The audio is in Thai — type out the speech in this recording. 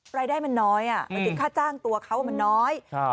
รายได้มันน้อยอ่ะอืมค่าจ้างตัวเขามันน้อยครับ